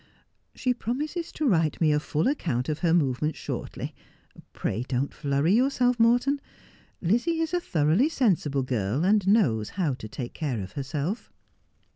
' She promises to write me a full account of her movements shortly. Pray don't flurry yourself, Morton. Lizzie is a thoroughly sensible girl, and knows how to take care of herself.'